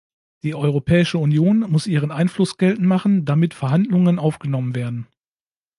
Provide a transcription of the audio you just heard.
Die Europäische Union muss ihren Einfluss geltend machen, damit Verhandlungen aufgenommen werden.